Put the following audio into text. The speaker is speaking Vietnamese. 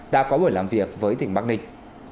đã có buổi làm việc với tỉnh bắc ninh